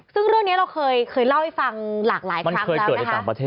ซึ่งเรื่องนี้เราเคยเล่าให้ฟังหลากหลายครั้งแล้วนะคะ